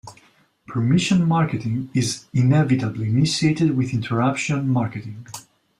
Permission marketing is inevitably initiated with interruption marketing.